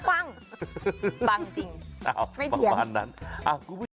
ปังจริงไม่เทียง